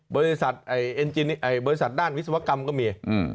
โบริษัทเองเงินเนี่ยไอโบริษัทด้านวิศวกรรมก็มี